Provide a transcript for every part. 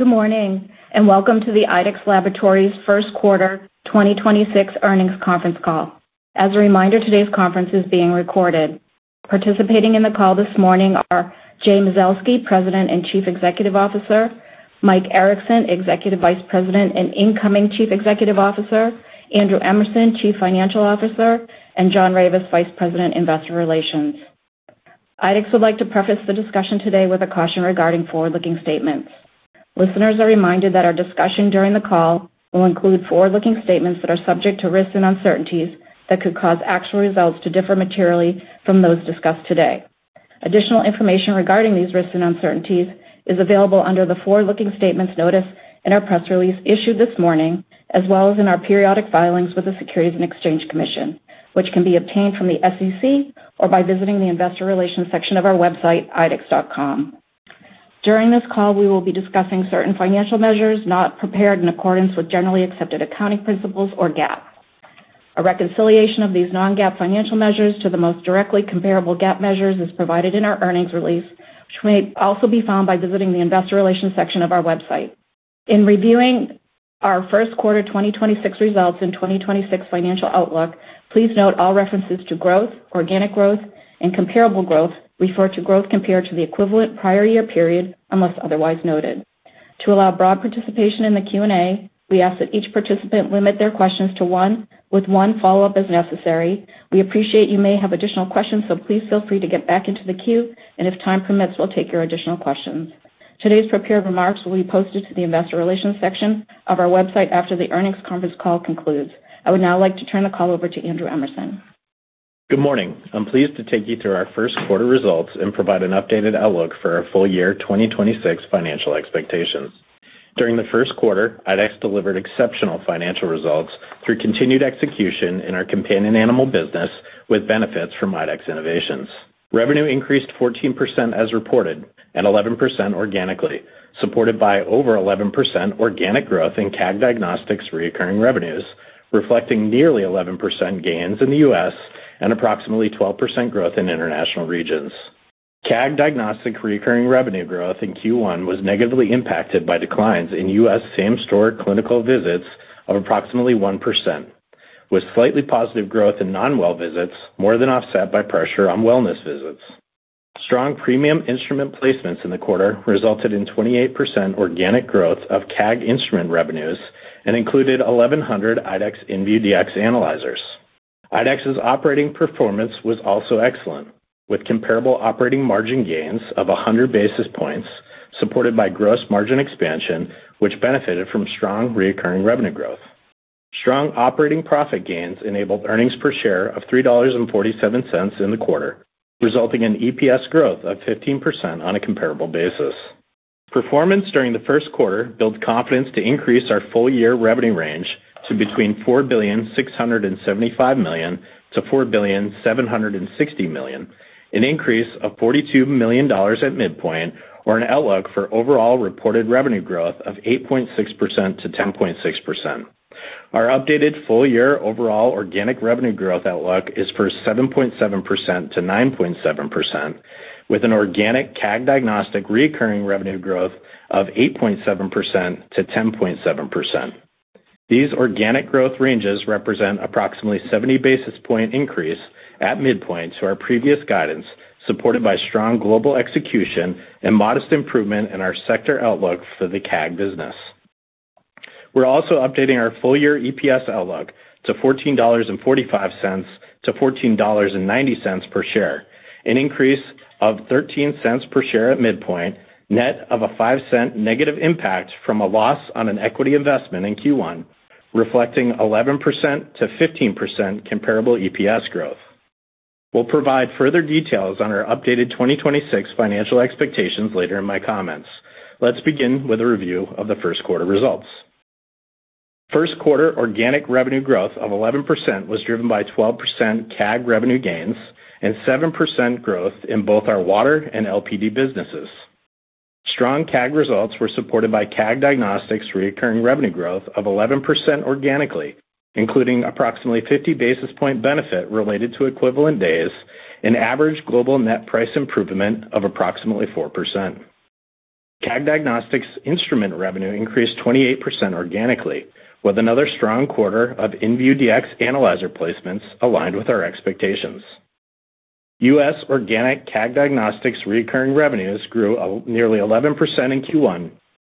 Good morning, welcome to the IDEXX Laboratories first quarter 2026 earnings conference call. As a reminder, today's conference is being recorded. Participating in the call this morning are Jay Mazelsky, President and Chief Executive Officer, Michael Erickson, Executive Vice President and Incoming Chief Executive Officer, Andrew Emerson, Chief Financial Officer, John Ravis, Vice President, Investor Relations. IDEXX would like to preface the discussion today with a caution regarding forward-looking statements. Listeners are reminded that our discussion during the call will include forward-looking statements that are subject to risks and uncertainties that could cause actual results to differ materially from those discussed today. Additional information regarding these risks and uncertainties is available under the forward-looking statements notice in our press release issued this morning, as well as in our periodic filings with the Securities and Exchange Commission, which can be obtained from the SEC or by visiting the investor relations section of our website, idexx.com. During this call, we will be discussing certain financial measures not prepared in accordance with generally accepted accounting principles, or GAAP. A reconciliation of these non-GAAP financial measures to the most directly comparable GAAP measures is provided in our earnings release, which may also be found by visiting the investor relations section of our website. In reviewing our first quarter 2026 results and 2026 financial outlook, please note all references to growth, organic growth, and comparable growth refer to growth compared to the equivalent prior year period, unless otherwise noted. To allow broad participation in the Q&A, we ask that each participant limit their questions to one with one follow-up as necessary. We appreciate you may have additional questions, so please feel free to get back into the queue, and if time permits, we'll take your additional questions. Today's prepared remarks will be posted to the investor relations section of our website after the earnings conference call concludes. I would now like to turn the call over to Andrew Emerson. Good morning. I'm pleased to take you through our first quarter results and provide an updated outlook for our full-year 2026 financial expectations. During the first quarter, IDEXX delivered exceptional financial results through continued execution in our companion animal business with benefits from IDEXX Innovations. Revenue increased 14% as reported and 11% organically, supported by over 11% organic growth in CAG Diagnostics recurring revenues, reflecting nearly 11% gains in the U.S. and approximately 12% growth in international regions. CAG Diagnostics recurring revenue growth in Q1 was negatively impacted by declines in U.S. same-store clinical visits of approximately 1%, with slightly positive growth in non-well visits more than offset by pressure on wellness visits. Strong premium instrument placements in the quarter resulted in 28% organic growth of CAG instrument revenues and included 1,100 IDEXX InViewDX analyzers. IDEXX's operating performance was also excellent, with comparable operating margin gains of 100 basis points supported by gross margin expansion, which benefited from strong recurring revenue growth. Strong operating profit gains enabled earnings per share of $3.47 in the quarter, resulting in EPS growth of 15% on a comparable basis. Performance during the first quarter builds confidence to increase our full-year revenue range to between $4.675 billion-$4.76 billion, an increase of $42 million at midpoint or an outlook for overall reported revenue growth of 8.6%-10.6%. Our updated full-year overall organic revenue growth outlook is for 7.7%-9.7%, with an organic CAG Diagnostics recurring revenue growth of 8.7%-10.7%. These organic growth ranges represent approximately 70 basis point increase at midpoint to our previous guidance, supported by strong global execution and modest improvement in our sector outlook for the CAG business. We're also updating our full-year EPS outlook to $14.45-$14.90 per share, an increase of $0.13 per share at midpoint, net of a $0.05 negative impact from a loss on an equity investment in Q1, reflecting 11%-15% comparable EPS growth. We'll provide further details on our updated 2026 financial expectations later in my comments. Let's begin with a review of the first quarter results. First quarter organic revenue growth of 11% was driven by 12% CAG revenue gains and 7% growth in both our water and LPD businesses. Strong CAG results were supported by CAG Diagnostics recurring revenue growth of 11% organically, including approximately 50 basis point benefit related to equivalent days and average global net price improvement of approximately 4%. CAG Diagnostics instrument revenue increased 28% organically, with another strong quarter of InViewDX analyzer placements aligned with our expectations. U.S. organic CAG Diagnostics recurring revenues grew nearly 11% in Q1,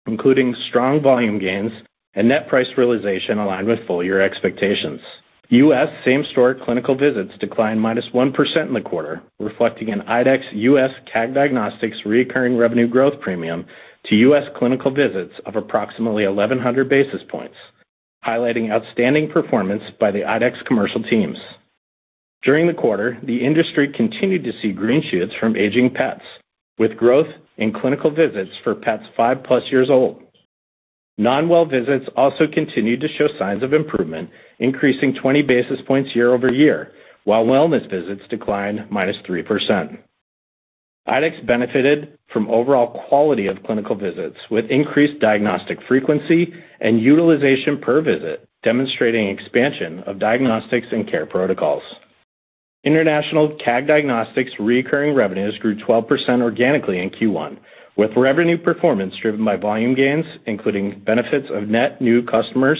including strong volume gains and net price realization aligned with full-year expectations. U.S. same-store clinical visits declined minus 1% in the quarter, reflecting an IDEXX U.S. CAG Diagnostics recurring revenue growth premium to U.S. clinical visits of approximately 1,100 basis points, highlighting outstanding performance by the IDEXX commercial teams. During the quarter, the industry continued to see green shoots from aging pets, with growth in clinical visits for pets 5+ years old. Non-well visits also continued to show signs of improvement, increasing 20 basis points year-over-year, while wellness visits declined -3%. IDEXX benefited from overall quality of clinical visits with increased diagnostic frequency and utilization per visit, demonstrating expansion of diagnostics and care protocols. International CAG Diagnostics reoccurring revenues grew 12% organically in Q1, with revenue performance driven by volume gains, including benefits of net new customers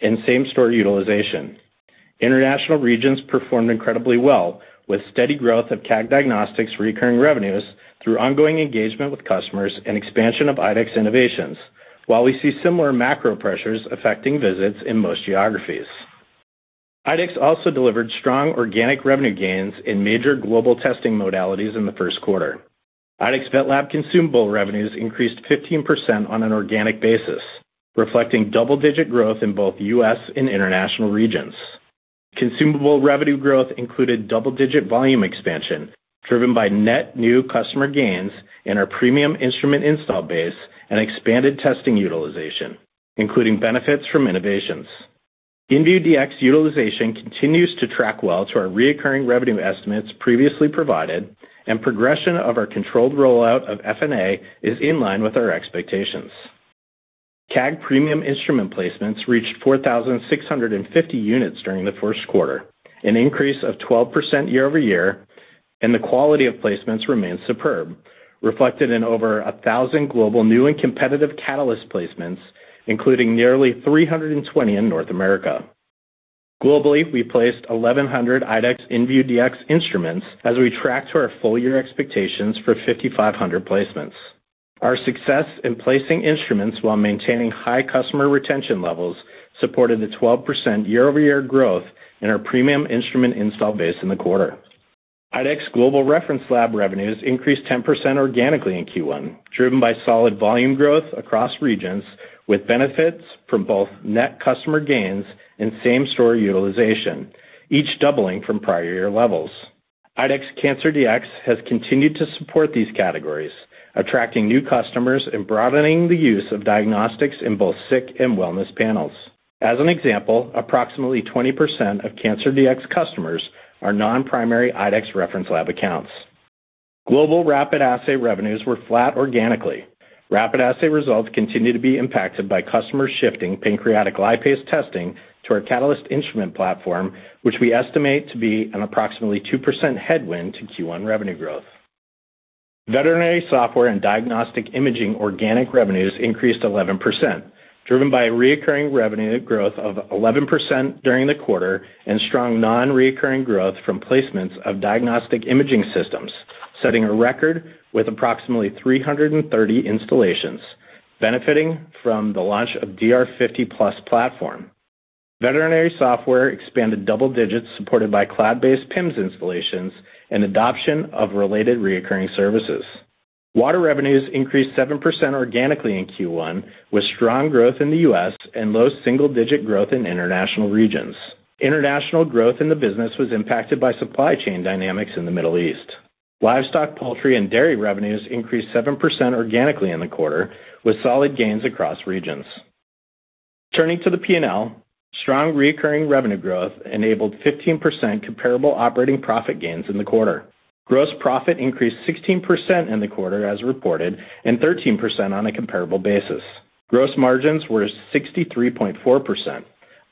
and same-store utilization. International regions performed incredibly well with steady growth of CAG Diagnostics reoccurring revenues through ongoing engagement with customers and expansion of IDEXX innovations. While we see similar macro pressures affecting visits in most geographies. IDEXX also delivered strong organic revenue gains in major global testing modalities in the first quarter. IDEXX VetLab consumable revenues increased 15% on an organic basis, reflecting double-digit growth in both U.S. and international regions. Consumable revenue growth included double-digit volume expansion driven by net new customer gains and our premium instrument install base and expanded testing utilization, including benefits from innovations. InViewDX utilization continues to track well to our recurring revenue estimates previously provided, and progression of our controlled rollout of FNA is in line with our expectations. CAG premium instrument placements reached 4,650 units during the first quarter, an increase of 12% year-over-year, and the quality of placements remains superb, reflected in over 1,000 global new and competitive Catalyst placements, including nearly 320 in North America. Globally, we placed 1,100 IDEXX InViewDX instruments as we track to our full-year expectations for 5,500 placements. Our success in placing instruments while maintaining high customer retention levels supported the 12% year-over-year growth in our premium instrument install base in the quarter. IDEXX Global Reference Lab revenues increased 10% organically in Q1, driven by solid volume growth across regions with benefits from both net customer gains and same-store utilization, each doubling from prior year levels. IDEXX Cancer Dx has continued to support these categories, attracting new customers and broadening the use of diagnostics in both sick and wellness panels. As an example, approximately 20% of Cancer Dx customers are non-primary IDEXX Reference Lab accounts. Global rapid assay revenues were flat organically. Rapid assay results continue to be impacted by customers shifting pancreatic lipase testing to our Catalyst instrument platform, which we estimate to be an approximately 2% headwind to Q1 revenue growth. Veterinary software and diagnostic imaging organic revenues increased 11%, driven by reoccurring revenue growth of 11% during the quarter and strong non-reoccurring growth from placements of diagnostic imaging systems, setting a record with approximately 330 installations benefiting from the launch of DR50 Plus platform. Veterinary software expanded double-digits supported by cloud-based PIMS installations and adoption of related reoccurring services. Water revenues increased 7% organically in Q1, with strong growth in the U.S. and low-single-digit growth in international regions. International growth in the business was impacted by supply chain dynamics in the Middle East. Livestock, poultry, and dairy revenues increased 7% organically in the quarter with solid gains across regions. Turning to the P&L, strong reoccurring revenue growth enabled 15% comparable operating profit gains in the quarter. Gross profit increased 16% in the quarter as reported, and 13% on a comparable basis. Gross margins were 63.4%,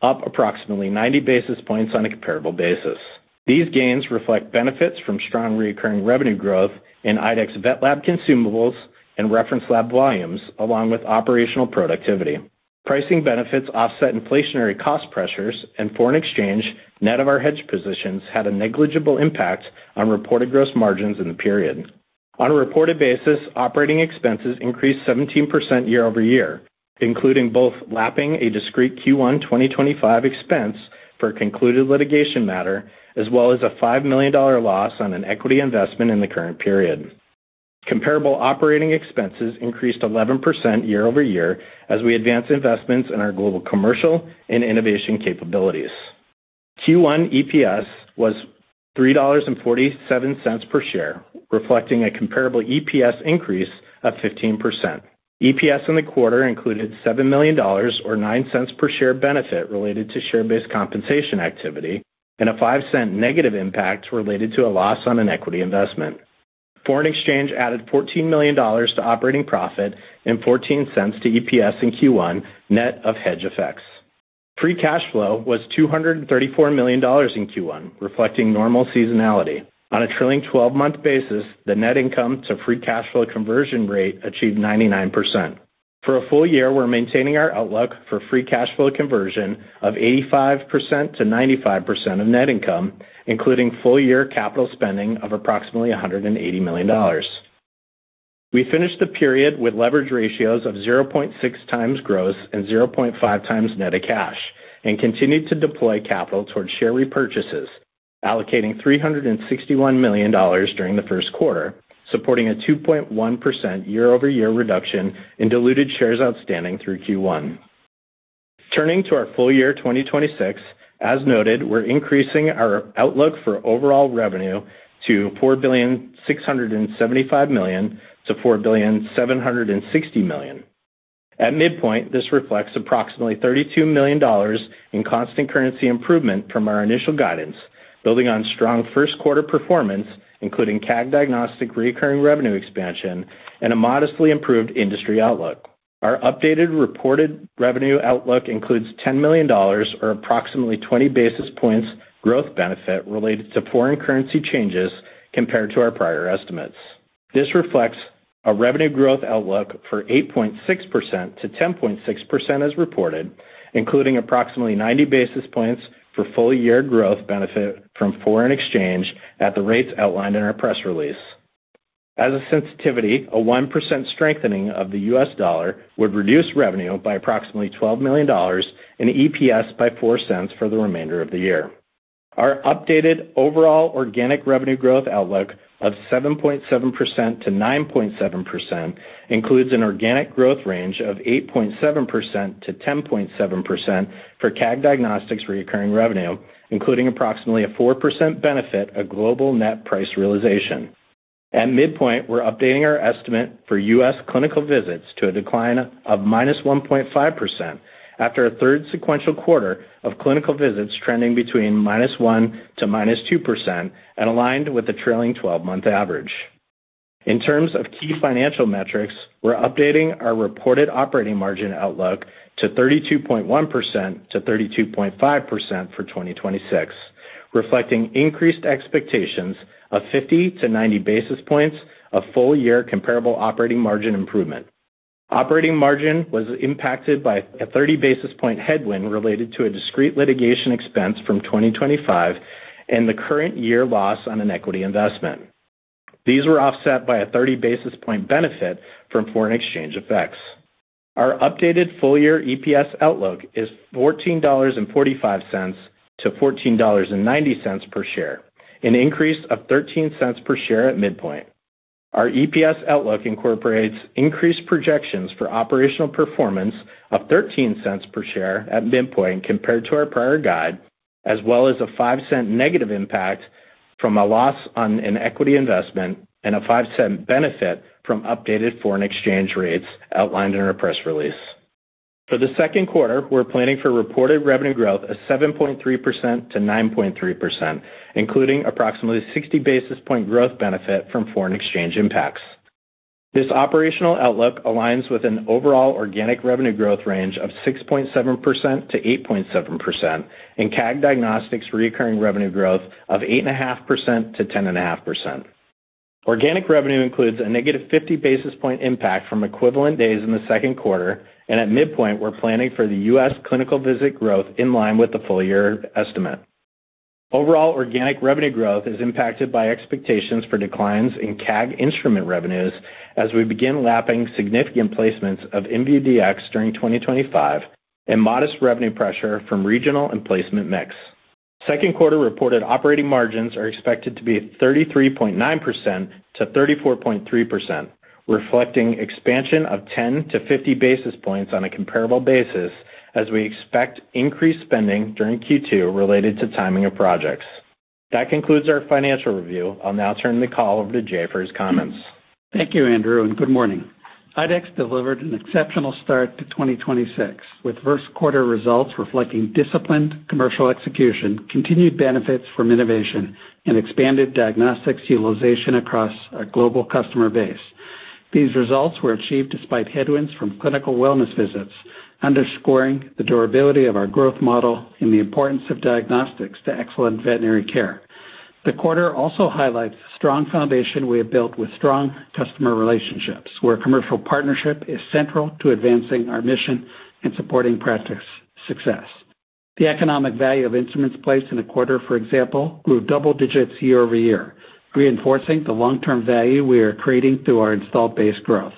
up approximately 90 basis points on a comparable basis. These gains reflect benefits from strong recurring revenue growth in IDEXX VetLab consumables and reference lab volumes, along with operational productivity. Pricing benefits offset inflationary cost pressures and foreign exchange. Net of our hedge positions had a negligible impact on reported gross margins in the period. On a reported basis, operating expenses increased 17% year-over-year, including both lapping a discrete Q1 2025 expense for a concluded litigation matter, as well as a $5 million loss on an equity investment in the current period. Comparable operating expenses increased 11% year-over-year as we advance investments in our global commercial and innovation capabilities. Q1 EPS was $3.47 per share, reflecting a comparable EPS increase of 15%. EPS in the quarter included $7 million or $0.09 per share benefit related to share-based compensation activity and a $0.05 negative impact related to a loss on an equity investment. Foreign exchange added $14 million to operating profit and $0.14 to EPS in Q1 net of hedge effects. Free cash flow was $234 million in Q1, reflecting normal seasonality. On a trailing 12 month basis, the net income to free cash flow conversion rate achieved 99%. For a full-year, we're maintaining our outlook for free cash flow conversion of 85%-95% of net income, including full-year capital spending of approximately $180 million. We finished the period with leverage ratios of 0.6x gross and 0.5x net of cash and continued to deploy capital towards share repurchases, allocating $361 million during the first quarter, supporting a 2.1% year-over-year reduction in diluted shares outstanding through Q1. Turning to our full-year 2026, as noted, we're increasing our outlook for overall revenue to $4,675 billion-$4,760 billion. At midpoint, this reflects approximately $32 million in constant currency improvement from our initial guidance, building on strong first quarter performance, including CAG Diagnostic recurring revenue expansion and a modestly improved industry outlook. Our updated reported revenue outlook includes $10 million or approximately 20 basis points growth benefit related to foreign currency changes compared to our prior estimates. This reflects a revenue growth outlook for 8.6%-10.6% as reported, including approximately 90 basis points for full-year growth benefit from foreign exchange at the rates outlined in our press release. As a sensitivity, a 1% strengthening of the U.S. dollar would reduce revenue by approximately $12 million and EPS by $0.04 for the remainder of the year. Our updated overall organic revenue growth outlook of 7.7%-9.7% includes an organic growth range of 8.7%-10.7% for CAG Diagnostics' recurring revenue, including approximately a 4% benefit of global net price realization. At midpoint, we're updating our estimate for U.S. clinical visits to a decline of -1.5% after a third sequential quarter of clinical visits trending between -1% to -2% and aligned with the trailing 12 month average. In terms of key financial metrics, we're updating our reported operating margin outlook to 32.1%-32.5% for 2026, reflecting increased expectations of 50 basis points-90 basis points of full-year comparable operating margin improvement. Operating margin was impacted by a 30 basis-point headwind related to a discrete litigation expense from 2025 and the current year loss on an equity investment. These were offset by a 30 basis-point benefit from foreign exchange effects. Our updated full-year EPS outlook is $14.45-$14.90 per share, an increase of $0.13 per share at midpoint. Our EPS outlook incorporates increased projections for operational performance of $0.13 per share at midpoint compared to our prior guide, as well as a $0.05 negative impact from a loss on an equity investment and a $0.05 benefit from updated foreign exchange rates outlined in our press release. For the second quarter, we're planning for reported revenue growth of 7.3%-9.3%, including approximately 60 basis point growth benefit from foreign exchange impacts. This operational outlook aligns with an overall organic revenue growth range of 6.7%-8.7% and CAG Diagnostics' recurring revenue growth of 8.5%-10.5%. Organic revenue includes a negative 50 basis point impact from equivalent days in the second quarter, and at midpoint, we're planning for the U.S. clinical visit growth in line with the full-year estimate. Overall organic revenue growth is impacted by expectations for declines in CAG instrument revenues as we begin lapping significant placements of InViewDX during 2025 and modest revenue pressure from regional and placement mix. Second quarter reported operating margins are expected to be at 33.9%-34.3%, reflecting expansion of 10 basis points-50 basis points on a comparable basis as we expect increased spending during Q2 related to timing of projects. That concludes our financial review. I'll now turn the call over to Jay for his comments. Thank you, Andrew. Good morning. IDEXX delivered an exceptional start to 2026, with first quarter results reflecting disciplined commercial execution, continued benefits from innovation and expanded diagnostics utilization across our global customer base. These results were achieved despite headwinds from clinical wellness visits, underscoring the durability of our growth model and the importance of diagnostics to excellent veterinary care. The quarter also highlights the strong foundation we have built with strong customer relationships, where commercial partnership is central to advancing our mission and supporting practice success. The economic value of instruments placed in the quarter, for example, grew double-digits year-over-year, reinforcing the long-term value we are creating through our installed base growth.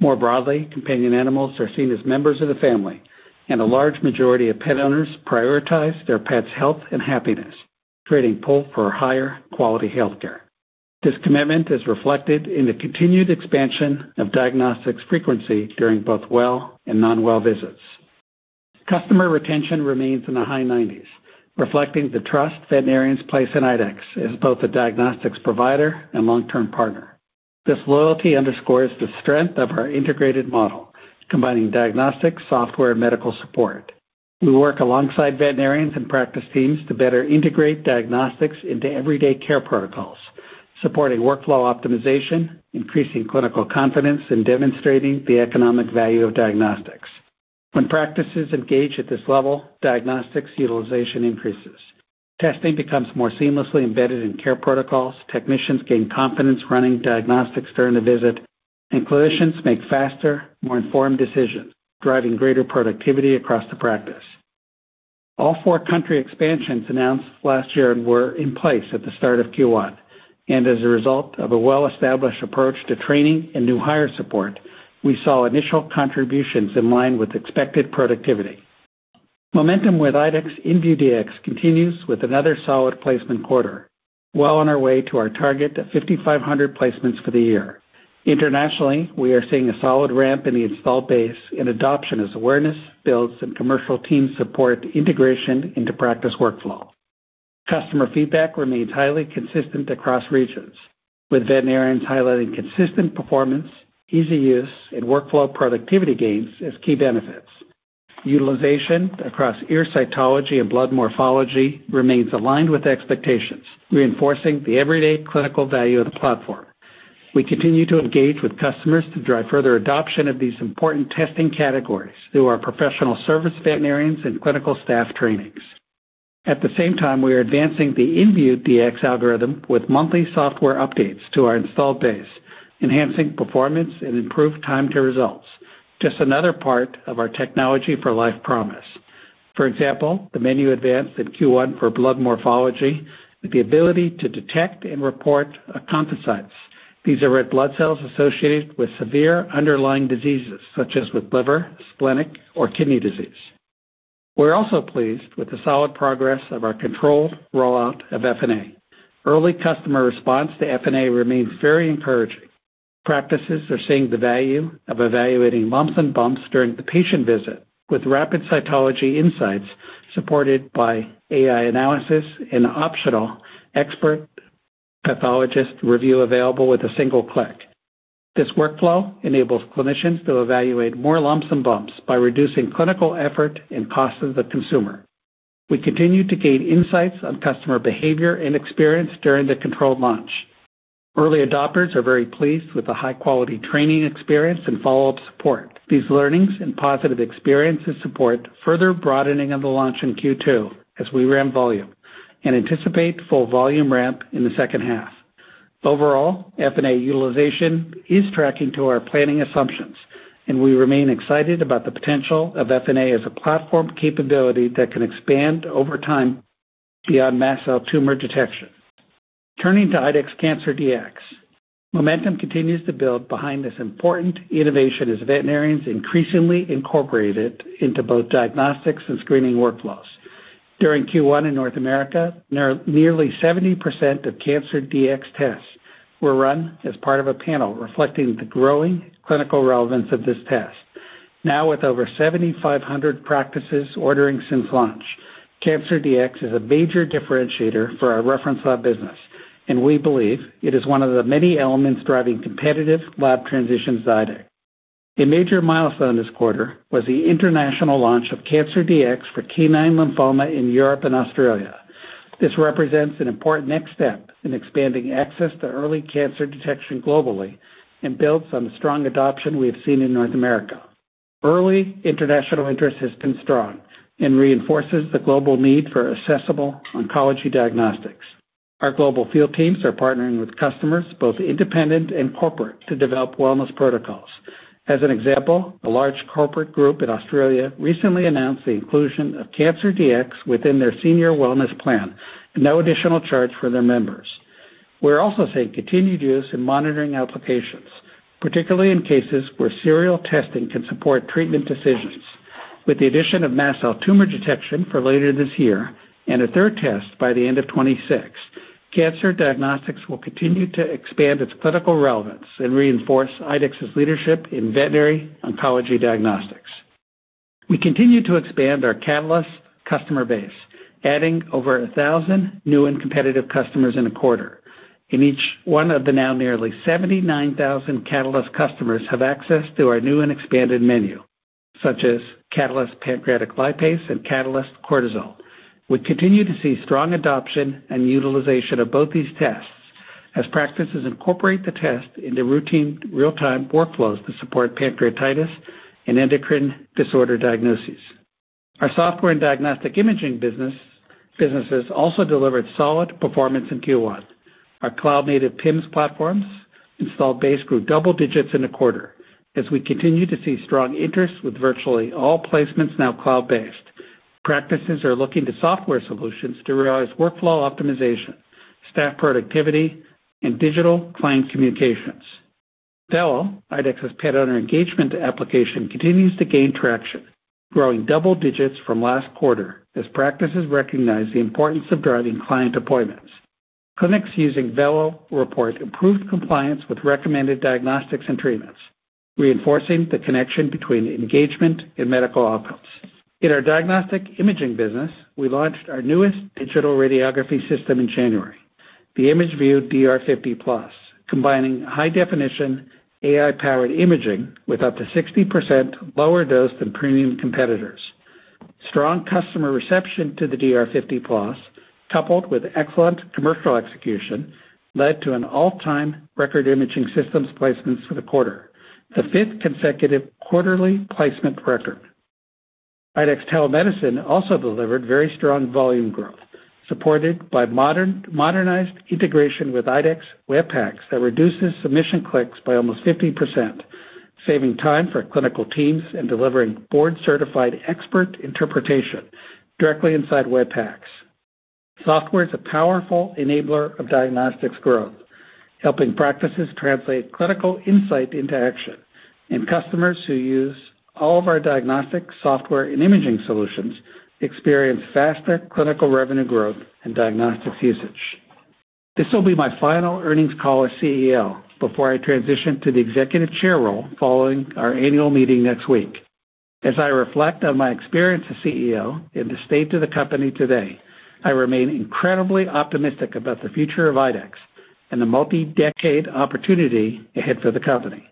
More broadly, companion animals are seen as members of the family, and a large majority of pet owners prioritize their pet's health and happiness, creating pull for higher quality healthcare. This commitment is reflected in the continued expansion of diagnostics frequency during both well and non-well visits. Customer retention remains in the high nineties, reflecting the trust veterinarians place in IDEXX as both a diagnostics provider and long-term partner. This loyalty underscores the strength of our integrated model, combining diagnostics, software, and medical support. We work alongside veterinarians and practice teams to better integrate diagnostics into everyday care protocols, supporting workflow optimization, increasing clinical confidence, and demonstrating the economic value of diagnostics. When practices engage at this level, diagnostics utilization increases. Testing becomes more seamlessly embedded in care protocols, technicians gain confidence running diagnostics during the visit, and clinicians make faster, more informed decisions, driving greater productivity across the practice. All four country expansions announced last year were in place at the start of Q1, and as a result of a well-established approach to training and new hire support, we saw initial contributions in line with expected productivity. Momentum with IDEXX InViewDX continues with another solid placement quarter, well on our way to our target of 5,500 placements for the year. Internationally, we are seeing a solid ramp in the installed base and adoption as awareness builds and commercial teams support integration into practice workflow. Customer feedback remains highly consistent across regions, with veterinarians highlighting consistent performance, easy use, and workflow productivity gains as key benefits. Utilization across ear cytology and blood morphology remains aligned with expectations, reinforcing the everyday clinical value of the platform. We continue to engage with customers to drive further adoption of these important testing categories through our professional service veterinarians and clinical staff trainings. At the same time, we are advancing the InViewDX algorithm with monthly software updates to our installed base, enhancing performance and improved time to results. Just another part of our technology for life promise. For example, the menu advance in Q1 for blood morphology with the ability to detect and report acanthocytes. These are red blood cells associated with severe underlying diseases, such as with liver, splenic, or kidney disease. We're also pleased with the solid progress of our controlled rollout of FNA. Early customer response to FNA remains very encouraging. Practices are seeing the value of evaluating lumps and bumps during the patient visit with rapid cytology insights supported by AI analysis and optional expert pathologist review available with a single click. This workflow enables clinicians to evaluate more lumps and bumps by reducing clinical effort and cost to the consumer. We continue to gain insights on customer behavior and experience during the controlled launch. Early adopters are very pleased with the high-quality training experience and follow-up support. These learnings and positive experiences support further broadening of the launch in Q2 as we ramp volume and anticipate full volume ramp in the second half. Overall, FNA utilization is tracking to our planning assumptions, and we remain excited about the potential of FNA as a platform capability that can expand over time beyond mast cell tumor detection. Turning to IDEXX Cancer Dx. Momentum continues to build behind this important innovation as veterinarians increasingly incorporate it into both diagnostics and screening workflows. During Q1 in North America, nearly 70% of Cancer Dx tests were run as part of a panel reflecting the growing clinical relevance of this test. Now, with over 7,500 practices ordering since launch, Cancer Dx is a major differentiator for our reference lab business, and we believe it is one of the many elements driving competitive lab transitions to IDEXX. A major milestone this quarter was the international launch of Cancer Dx for canine lymphoma in Europe and Australia. This represents an important next step in expanding access to early cancer detection globally and builds on the strong adoption we have seen in North America. Early international interest has been strong and reinforces the global need for accessible oncology diagnostics. Our global field teams are partnering with customers, both independent and corporate, to develop wellness protocols. As an example, a large corporate group in Australia recently announced the inclusion of Cancer Dx within their senior wellness plan at no additional charge for their members. We're also seeing continued use in monitoring applications, particularly in cases where serial testing can support treatment decisions. With the addition of mass cell tumor detection for later this year and a third test by the end of 2026, cancer diagnostics will continue to expand its clinical relevance and reinforce IDEXX's leadership in veterinary oncology diagnostics. We continue to expand our Catalyst customer base, adding over 1,000 new and competitive customers in a quarter. Each one of the now nearly 79,000 Catalyst customers have access to our new and expanded menu, such as Catalyst Pancreatic Lipase and Catalyst Cortisol. We continue to see strong adoption and utilization of both these tests as practices incorporate the test into routine real-time workflows to support pancreatitis and endocrine disorder diagnoses. Our software and diagnostic imaging businesses also delivered solid performance in Q1. Our cloud-native PIMS platforms installed base grew double-digits in a quarter as we continue to see strong interest with virtually all placements now cloud-based. Practices are looking to software solutions to realize workflow optimization, staff productivity, and digital client communications. Vello, IDEXX's pet owner engagement application, continues to gain traction, growing double-digits from last quarter as practices recognize the importance of driving client appointments. Clinics using Vello report improved compliance with recommended diagnostics and treatments, reinforcing the connection between engagement and medical outcomes. In our diagnostic imaging business, we launched our newest digital radiography system in January, the ImageVue DR50 Plus, combining high definition AI-powered imaging with up to 60% lower dose than premium competitors. Strong customer reception to the DR50 Plus, coupled with excellent commercial execution, led to an all-time record imaging systems placements for the quarter, the fifth consecutive quarterly placement record. IDEXX telemedicine also delivered very strong volume growth, supported by modernized integration with IDEXX Web PACS that reduces submission clicks by almost 50%, saving time for clinical teams and delivering board-certified expert interpretation directly inside Web PACS. Software is a powerful enabler of diagnostics growth, helping practices translate clinical insight into action. Customers who use all of our diagnostic software and imaging solutions experience faster clinical revenue growth and diagnostics usage. This will be my final earnings call as CEO before I transition to the executive chair role following our annual meeting next week. As I reflect on my experience as CEO and the state of the company today, I remain incredibly optimistic about the future of IDEXX. The multi-decade opportunity ahead for the company.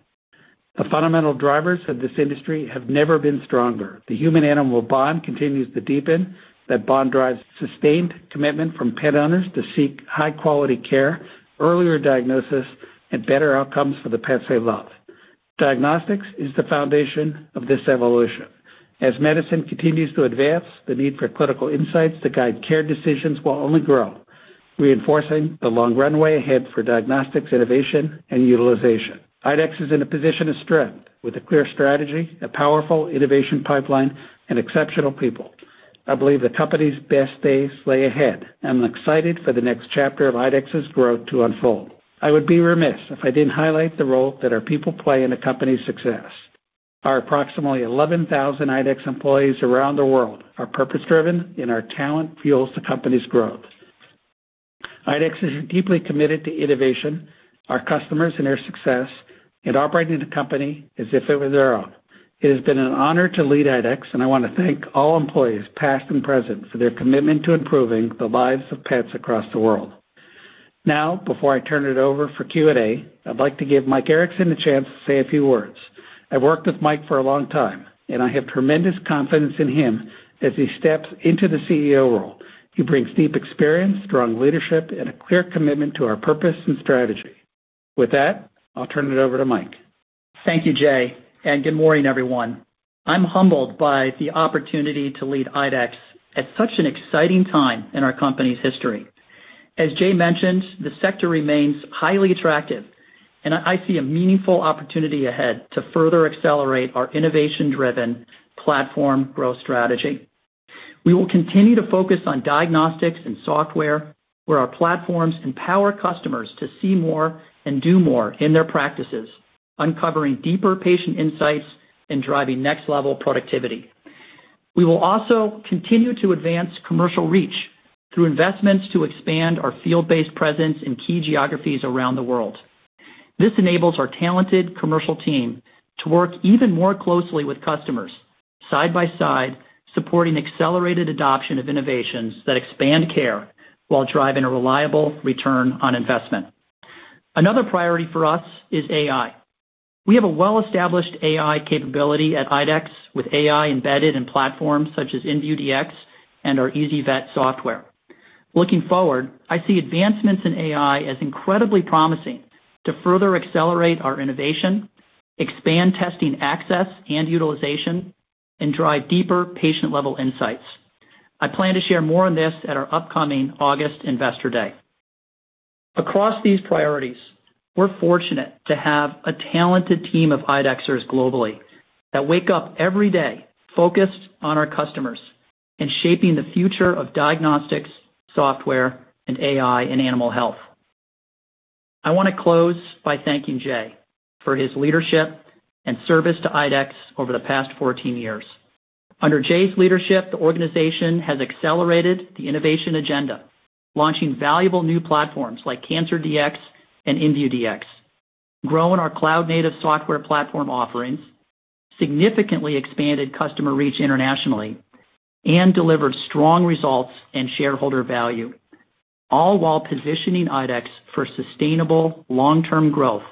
The fundamental drivers of this industry have never been stronger. The human-animal bond continues to deepen. That bond drives sustained commitment from pet owners to seek high-quality care, earlier diagnosis, and better outcomes for the pets they love. Diagnostics is the foundation of this evolution. As medicine continues to advance, the need for clinical insights to guide care decisions will only grow, reinforcing the long runway ahead for diagnostics innovation and utilization. IDEXX is in a position of strength with a clear strategy, a powerful innovation pipeline, and exceptional people. I believe the company's best days lay ahead. I'm excited for the next chapter of IDEXX's growth to unfold. I would be remiss if I didn't highlight the role that our people play in the company's success. Our approximately 11,000 IDEXX employees around the world are purpose-driven, and our talent fuels the company's growth. IDEXX is deeply committed to innovation, our customers and their success, and operating the company as if it were their own. It has been an honor to lead IDEXX, and I want to thank all employees, past and present, for their commitment to improving the lives of pets across the world. Before I turn it over for Q&A, I'd like to give Mike Erickson the chance to say a few words. I've worked with Mike for a long time, and I have tremendous confidence in him as he steps into the CEO role. He brings deep experience, strong leadership, and a clear commitment to our purpose and strategy. With that, I'll turn it over to Mike. Thank you, Jay. Good morning, everyone. I'm humbled by the opportunity to lead IDEXX at such an exciting time in our company's history. As Jay mentioned, the sector remains highly attractive. I see a meaningful opportunity ahead to further accelerate our innovation-driven platform growth strategy. We will continue to focus on diagnostics and software, where our platforms empower customers to see more and do more in their practices, uncovering deeper patient insights and driving next-level productivity. We will also continue to advance commercial reach through investments to expand our field-based presence in key geographies around the world. This enables our talented commercial team to work even more closely with customers side by side, supporting accelerated adoption of innovations that expand care while driving a reliable return on investment. Another priority for us is AI. We have a well-established AI capability at IDEXX, with AI embedded in platforms such as InViewDX and our ezyVet software. Looking forward, I see advancements in AI as incredibly promising to further accelerate our innovation, expand testing access and utilization, and drive deeper patient-level insights. I plan to share more on this at our upcoming August Investor Day. Across these priorities, we're fortunate to have a talented team of IDEXXers globally that wake up every day focused on our customers and shaping the future of diagnostics, software, and AI in animal health. I wanna close by thanking Jay for his leadership and service to IDEXX over the past 14 years. Under Jay's leadership, the organization has accelerated the innovation agenda, launching valuable new platforms like Cancer Dx and InViewDX, growing our cloud-native software platform offerings, significantly expanded customer reach internationally, and delivered strong results and shareholder value, all while positioning IDEXX for sustainable long-term growth,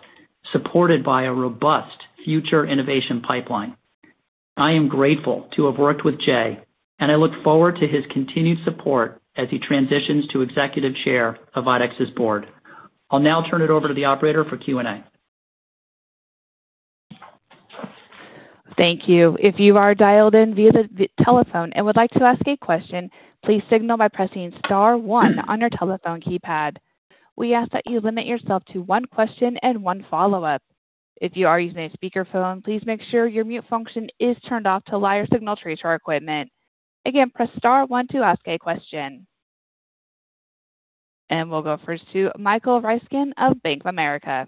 supported by a robust future innovation pipeline. I am grateful to have worked with Jay, and I look forward to his continued support as he transitions to Executive Chair of IDEXX's Board. I'll now turn it over to the operator for Q&A. Thank you. If you are dialed in via the telephone and would like to ask a question, please signal by pressing star one on your telephone keypad. We ask that you limit yourself to one question and one follow-up. If you are using a speakerphone, please make sure your mute function is turned off to allow your signal reach our equipment. Again, press star one to ask a question. We'll go first to Michael Ryskin of Bank of America.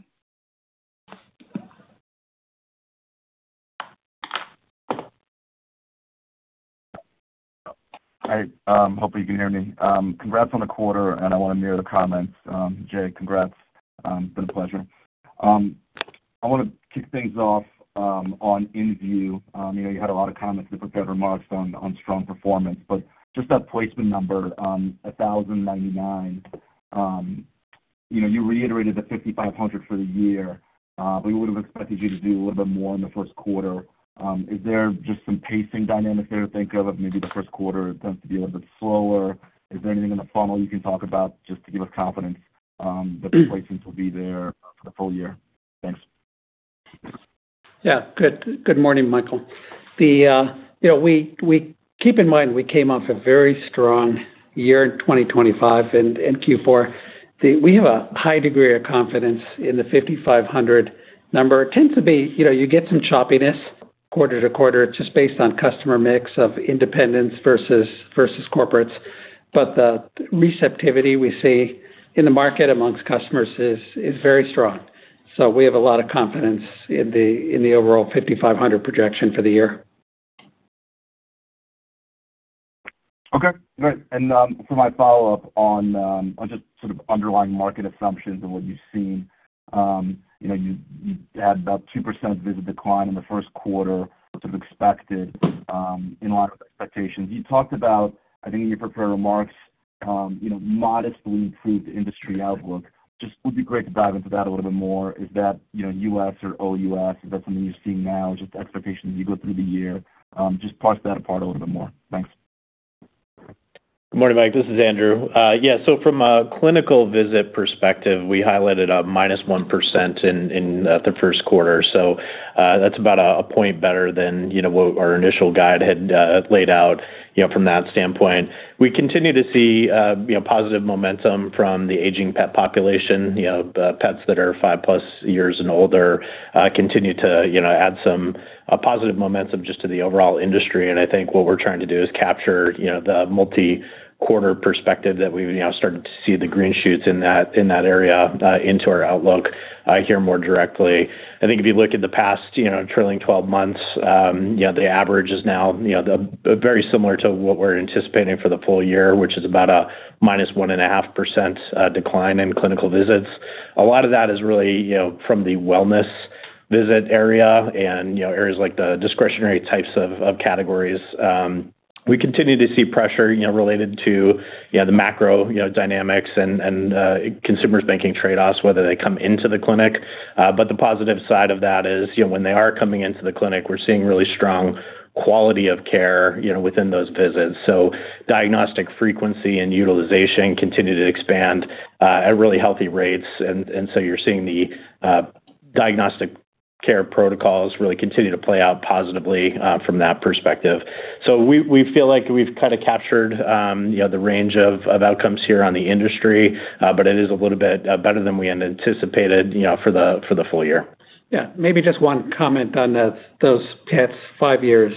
Hi, hopefully you can hear me. Congrats on the quarter, and I wanna mirror the comments. Jay, congrats. Been a pleasure. I wanna kick things off on InView. You know, you had a lot of comments and prepared remarks on strong performance, but just that placement number, 1,099, you know, you reiterated the 5,500 for the year, but we would've expected you to do a little bit more in the first quarter. Is there just some pacing dynamics there to think of? Maybe the first quarter tends to be a little bit slower. Is there anything in the funnel you can talk about just to give us confidence that the placements will be there for the full-year? Thanks. Yeah. Good morning, Michael. You know, we keep in mind, we came off a very strong year in 2025 and in Q4. We have a high degree of confidence in the 5,500 number. It tends to be, you know, you get some choppiness quarter-to-quarter just based on customer mix of independents versus corporates, but the receptivity we see in the market amongst customers is very strong. We have a lot of confidence in the overall 5,500 projection for the year. Okay, great. For my follow-up on just sort of underlying market assumptions and what you've seen. You know, you had about 2% visit decline in the first quarter, which is expected in light of expectations. You talked about, I think in your prepared remarks, you know, modestly improved industry outlook. Just would be great to dive into that a little bit more. Is that, you know, US or OUS? Is that something you're seeing now, just expectations as you go through the year? Just parse that apart a little bit more. Thanks. Good morning, Michael. This is Andrew. Yeah. From a clinical visit perspective, we highlighted a -1% in the first quarter. That's about a one point better than, you know, what our initial guide had laid out, you know, from that standpoint. We continue to see, you know, positive momentum from the aging pet population. You know, the pets that are 5+ years and older, continue to, you know, add some positive momentum just to the overall industry. I think what we're trying to do is capture, you know, the multi-quarter perspective that we've, you know, started to see the green shoots in that area, into our outlook here more directly. I think if you look at the past, you know, trailing 12 months, you know, the average is now, you know, very similar to what we're anticipating for the full-year, which is about a -1.5% decline in clinical visits. A lot of that is really, you know, from the wellness visit area and, you know, areas like the discretionary types of categories. We continue to see pressure, you know, related to, you know, the macro, you know, dynamics and consumers making trade-offs, whether they come into the clinic. The positive side of that is, you know, when they are coming into the clinic, we're seeing really strong quality of care, you know, within those visits. Diagnostic frequency and utilization continue to expand at really healthy rates. You're seeing the diagnostic care protocols really continue to play out positively from that perspective. We feel like we've kind of captured, you know, the range of outcomes here on the industry, but it is a little bit better than we had anticipated, you know, for the full-year. Yeah. Maybe just one comment on that, those pets five years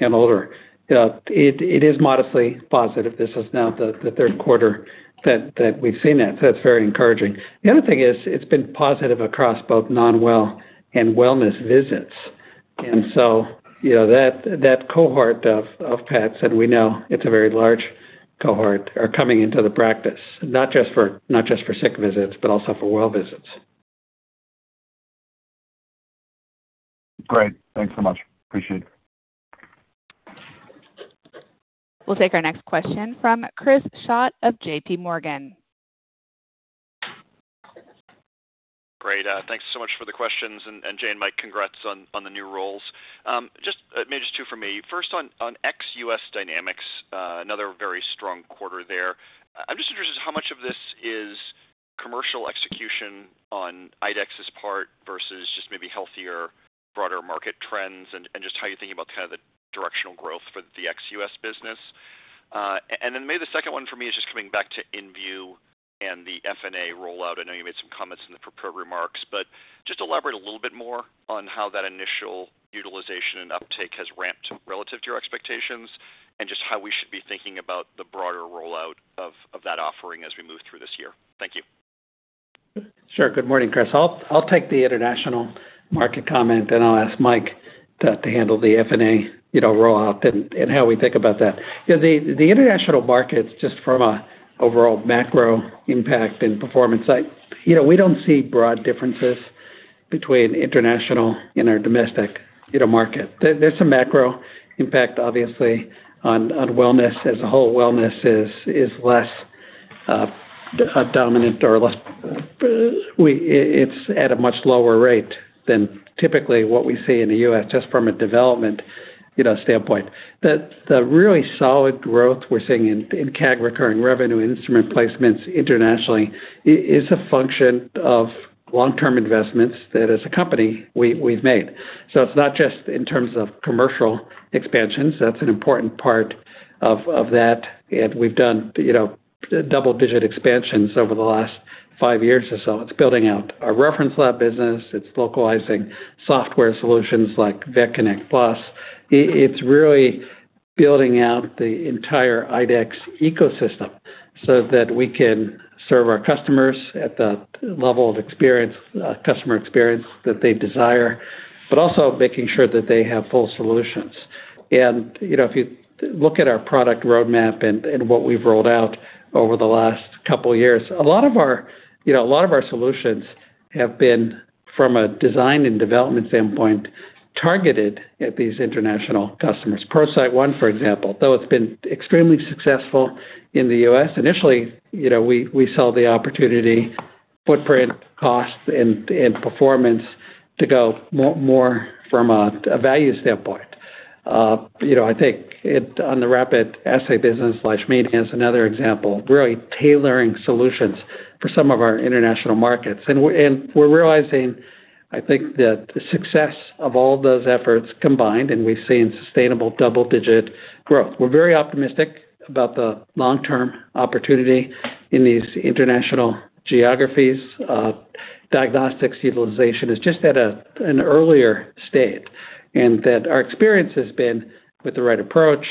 and older. It is modestly positive. This is now the third quarter that we've seen that, so that's very encouraging. The other thing is, it's been positive across both non-well and wellness visits. You know, that cohort of pets, and we know it's a very large cohort, are coming into the practice, not just for sick visits, but also for well visits. Great. Thanks so much. Appreciate it. We'll take our next question from Chris Schott of JPMorgan. Great. Thanks so much for the questions, and Jay and Mike, congrats on the new roles. Just maybe just two for me. First, on ex U.S. dynamics, another very strong quarter there. I'm just interested, how much of this is commercial execution on IDEXX's part versus just maybe healthier broader market trends, and just how you're thinking about kind of the directional growth for the ex U.S. business? Maybe the second one for me is just coming back to InViewDX and the FNA rollout. I know you made some comments in the prepared remarks, just elaborate a little bit more on how that initial utilization and uptake has ramped relative to your expectations and just how we should be thinking about the broader rollout of that offering as we move through this year. Thank you. Sure. Good morning, Chris. I'll take the international market comment, then I'll ask Mike to handle the FNA, you know, rollout and how we think about that. You know, the international markets, just from a overall macro impact and performance side, you know, we don't see broad differences between international and our domestic, you know, market. There's some macro impact, obviously, on wellness. As a whole, wellness is less dominant or less, it's at a much lower rate than typically what we see in the U.S., just from a development, you know, standpoint. The really solid growth we're seeing in CAG recurring revenue instrument placements internationally is a function of long-term investments that as a company we've made. It's not just in terms of commercial expansions. That's an important part of that. We've done, you know, double-digit expansions over the last five years or so. It's building out our reference lab business. It's localizing software solutions like VetConnect PLUS. It's really building out the entire IDEXX ecosystem so that we can serve our customers at the level of experience, customer experience that they desire, but also making sure that they have full solutions. You know, if you look at our product roadmap and what we've rolled out over the last couple years, a lot of our, you know, a lot of our solutions have been, from a design and development standpoint, targeted at these international customers. ProCyte One, for example, though it's been extremely successful in the U.S., initially, you know, we saw the opportunity, footprint, cost, and performance to go more from a value standpoint. You know, I think on the rapid assay business, Leishmania is another example of really tailoring solutions for some of our international markets. We're realizing, I think, the success of all those efforts combined, and we've seen sustainable double-digit growth. We're very optimistic about the long-term opportunity in these international geographies. Diagnostics utilization is just at an earlier state, and that our experience has been with the right approach,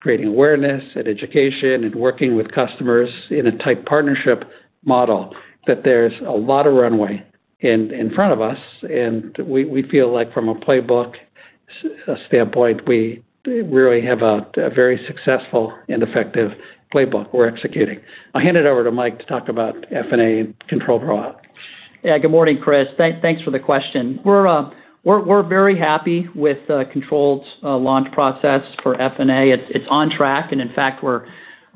creating awareness and education and working with customers in a tight partnership model, that there's a lot of runway in front of us. We feel like from a playbook standpoint, we really have a very successful and effective playbook we're executing. I'll hand it over to Michael to talk about FNA and controlled rollout. Yeah, good morning, Chris. Thanks for the question. We're very happy with controlled launch process for FNA. It's on track. In fact, we're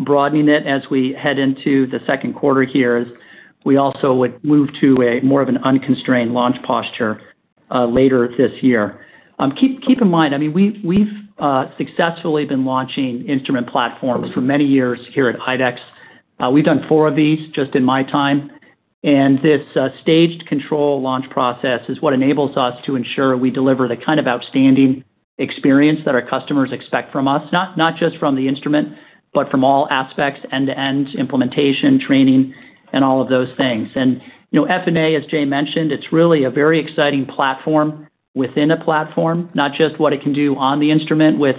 broadening it as we head into the second quarter here, as we also would move to a more of an unconstrained launch posture later this year. Keep in mind, I mean, we've successfully been launching instrument platforms for many years here at IDEXX. We've done four of these just in my time, this staged control launch process is what enables us to ensure we deliver the kind of outstanding experience that our customers expect from us, not just from the instrument, but from all aspects, end-to-end implementation, training, and all of those things. You know, FNA, as Jay mentioned, it's really a very exciting platform within a platform, not just what it can do on the instrument with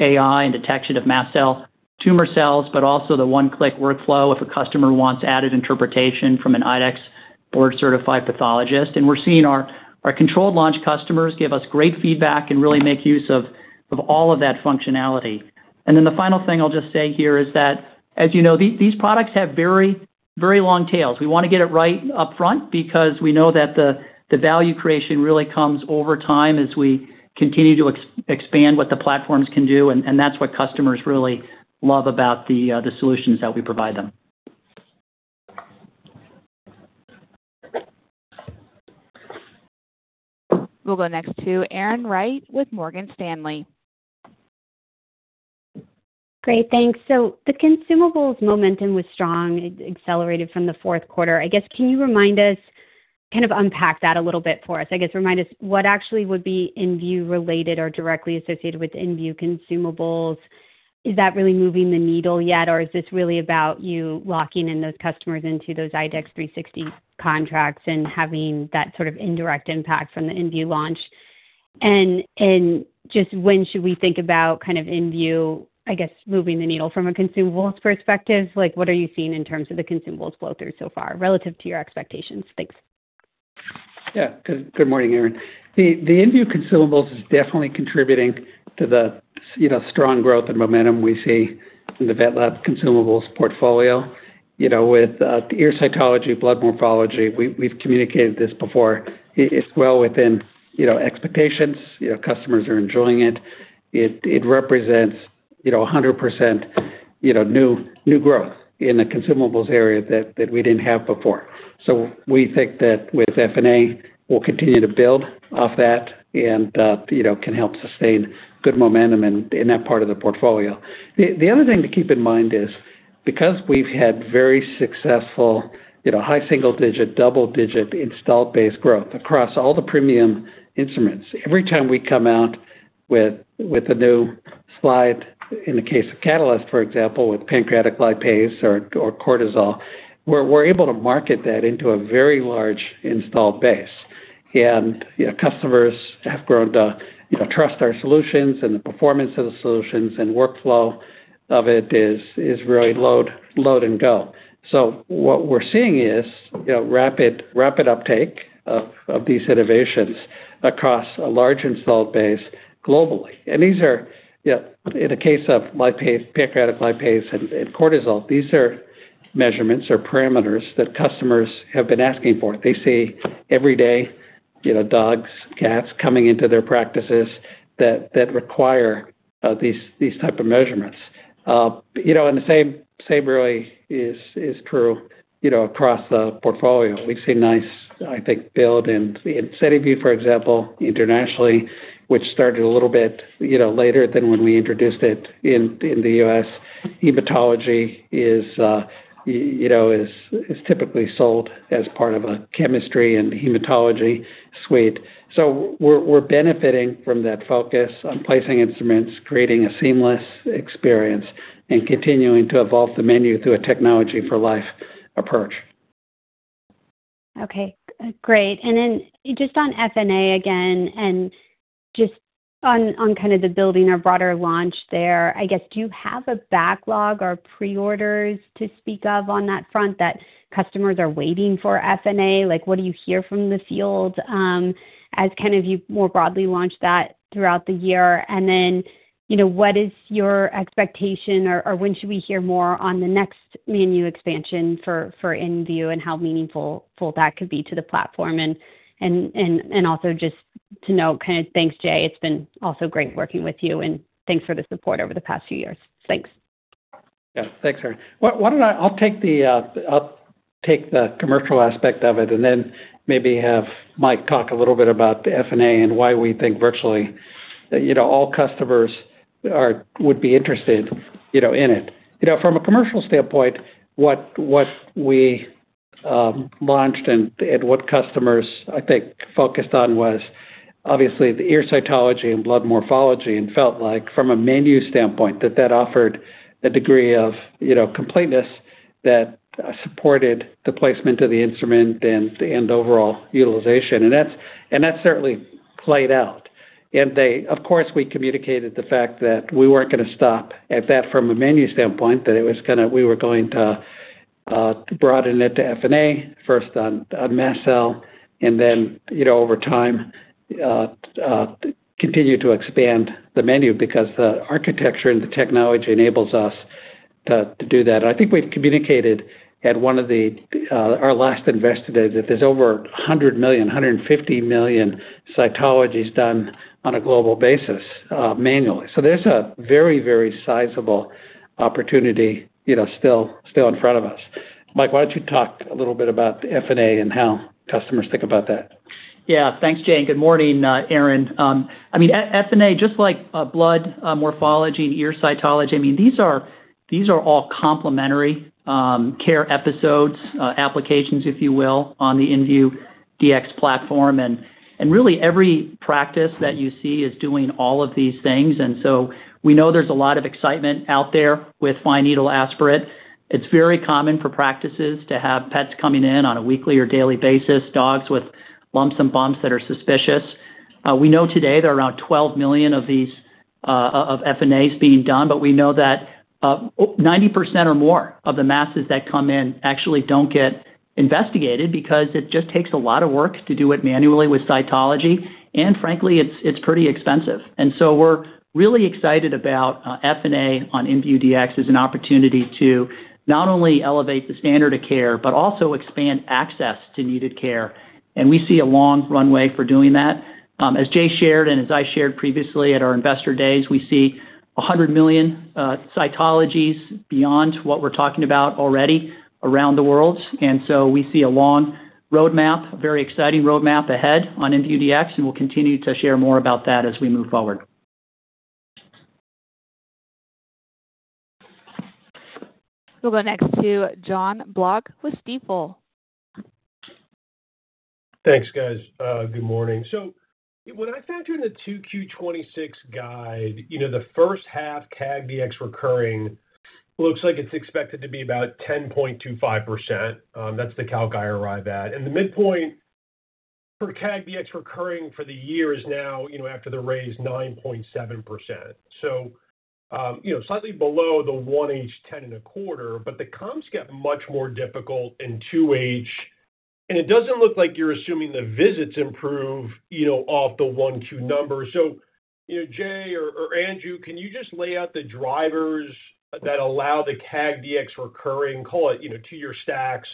AI and detection of mast cell, tumor cells, but also the one-click workflow if a customer wants added interpretation from an IDEXX board-certified pathologist. We're seeing our controlled launch customers give us great feedback and really make use of all of that functionality. The final thing I'll just say here is that, as you know, these products have very long tails. We wanna get it right up front because we know that the value creation really comes over time as we continue to expand what the platforms can do, and that's what customers really love about the solutions that we provide them. We'll go next to Erin Wright with Morgan Stanley. Great. Thanks. The consumables momentum was strong. It accelerated from the fourth quarter. I guess, can you remind us, kind of unpack that a little bit for us? I guess, remind us what actually would be InViewDX related or directly associated with InViewDX consumables. Is that really moving the needle yet, or is this really about you locking in those customers into those IDEXX 360 contracts and having that sort of indirect impact from the InViewDX launch? And just when should we think about kind of InViewDX, I guess, moving the needle from a consumables perspective? Like, what are you seeing in terms of the consumables flow through so far relative to your expectations? Thanks. Good morning, Erin. The InViewDX consumables is definitely contributing to the you know, strong growth and momentum we see in the VetLab consumables portfolio. You know, with the ear cytology, blood morphology, we've communicated this before. It's well within, you know, expectations. You know, customers are enjoying it. It represents, you know, 100%, you know, new growth in the consumables area that we didn't have before. We think that with FNA, we'll continue to build off that and, you know, can help sustain good momentum in that part of the portfolio. The other thing to keep in mind is because we've had very successful, you know, high-single-digit, double-digit installed base growth across all the premium instruments, every time we come out with a new slide, in the case of Catalyst, for example, with pancreatic lipase or cortisol, we're able to market that into a very large installed base. Customers have grown to, you know, trust our solutions and the performance of the solutions and workflow of it is really load and go. What we're seeing is, you know, rapid uptake of these innovations across a large installed base globally. These are, you know, in the case of lipase, pancreatic lipase and cortisol, these are measurements or parameters that customers have been asking for. They see every day, you know, dogs, cats coming into their practices that require these type of measurements. You know, the same really is true, you know, across the portfolio. We've seen nice, I think, build in SediVue, for example, internationally, which started a little bit, you know, later than when we introduced it in the U.S. Hematology is, you know, typically sold as part of a chemistry and hematology suite. We're benefiting from that focus on placing instruments, creating a seamless experience, and continuing to evolve the menu through a technology for life approach. Okay. Great. Just on FNA again, and just on kind of the building our broader launch there, I guess, do you have a backlog or pre-orders to speak of on that front that customers are waiting for FNA? Like, what do you hear from the field, as kind of you more broadly launch that throughout the year? You know, what is your expectation or when should we hear more on the next menu expansion for InViewDX and how meaningful, full that could be to the platform? Also just to know, kind of thanks, Jay. It's been also great working with you, and thanks for the support over the past few years. Thanks. Yeah. Thanks, Erin. Why don't I take the commercial aspect of it and then maybe have Mike talk a little bit about the FNA and why we think virtually, you know, all customers would be interested, you know, in it. You know, from a commercial standpoint, what we launched, and what customers, I think, focused on was obviously the ear cytology and blood morphology and felt like from a menu standpoint, that offered a degree of, you know, completeness that supported the placement of the instrument and overall utilization. That certainly played out. They-- Of course, we communicated the fact that we weren't going to stop at that from a menu standpoint, that it was going to broaden it to FNA, first on MassCell, and then, you know, over time, continue to expand the menu because the architecture and the technology enables us to do that. I think we've communicated at one of our last Investor Day that there is over 100 million, 150 million cytologies done on a global basis manually. There is a very, very sizable opportunity, you know, still in front of us. Michael Erickson, why don't you talk a little bit about the FNA and how customers think about that? Thanks, Jay. Good morning, Erin. I mean, FNA, just like blood morphology and ear cytology, I mean, these are all complementary care episodes, applications, if you will, on the InViewDX platform. Really every practice that you see is doing all of these things. We know there's a lot of excitement out there with fine needle aspirate. It's very common for practices to have pets coming in on a weekly or daily basis, dogs with lumps and bumps that are suspicious. We know today there are around 12 million of these FNAs being done, we know that 90% or more of the masses that come in actually don't get investigated because it just takes a lot of work to do it manually with cytology. Frankly, it's pretty expensive. We're really excited about FNA on InViewDX as an opportunity to not only elevate the standard of care, but also expand access to needed care. We see a long runway for doing that. As Jay shared, and as I shared previously at our Investor Days, we see 100 million cytologies beyond what we're talking about already around the world. We see a long roadmap, a very exciting roadmap ahead on InViewDX, and we'll continue to share more about that as we move forward. We'll go next to Jonathan Block with Stifel. Thanks, guys. Good morning. When I factor in the 2Q 2026 guide, you know, the first half CAGDX recurring looks like it's expected to be about 10.25%. That's the calc I arrive at. The midpoint for CAGDX recurring for the year is now, you know, after the raise, 9.7%. You know, slightly below the one-ish 10.25%, but the comps get much more difficult in 2H, and it doesn't look like you're assuming the visits improve, you know, off the 1Q number. You know, Jay or Andrew, can you just lay out the drivers that allow the CAGDX recurring, call it, you know, two year stacks,